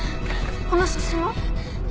この写真は？